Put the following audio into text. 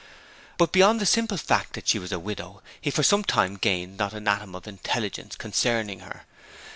But beyond the simple fact that she was a widow he for some time gained not an atom of intelligence concerning her.